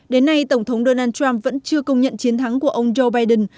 đến nay tổng thống donald trump vẫn chưa công nhận chiến thắng của ông joe biden